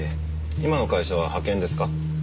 今の会社は派遣ですか？